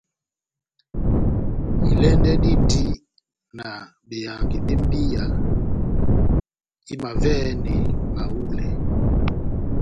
Ilɛ́ndɛ́ dindi na behangi bé mbiya imavɛhɛni mahulɛ.